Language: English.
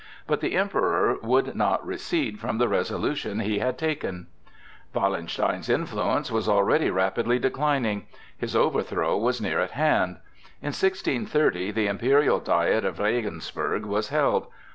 But the Emperor would not recede from the resolution he had taken. Wallenstein's influence was already rapidly declining; his overthrow was near at hand. In 1630 the imperial diet of Regensburg was held.